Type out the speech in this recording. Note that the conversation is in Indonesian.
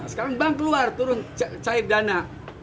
sekarang bank keluar turun cair dana